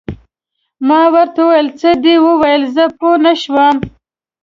ما ورته وویل: څه دې وویل؟ زه پوه نه شوم.